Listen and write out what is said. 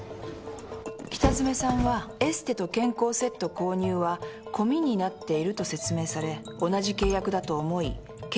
北詰さんはエステと健康セット購入は込みになっていると説明され同じ契約だと思い契約書にハンコを押した。